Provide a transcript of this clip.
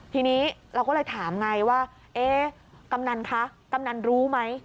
ทีนี้เราก็เลยถามไงว่าเอ๊ะกำนันคะกำนันรู้ไหม